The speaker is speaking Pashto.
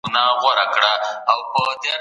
کمپيوټر کور خوندي کوي.